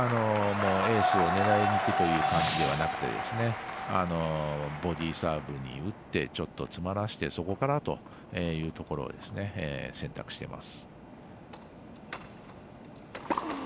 エースを狙いにいくという感じではなくてボディーサーブに打って詰まらせてそこからというところ選択しています。